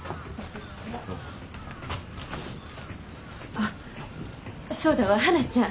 あっそうだわはなちゃん。